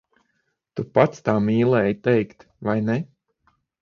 Tu pats tā mīlēji teikt, vai ne?